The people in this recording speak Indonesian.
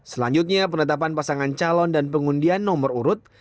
selanjutnya penetapan pasangan calon dan pengundian nomor urut